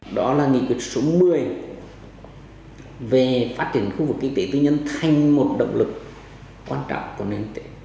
đó là nghị quyết số một mươi về phát triển khu vực kinh tế tư nhân thành một động lực quan trọng của nền kinh tế